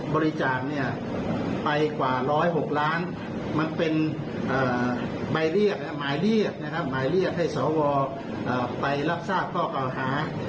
บริจาคไปกว่า๑๐๖ล้านมันเป็นหมายเรียกให้สวไปรักทราบข้อหา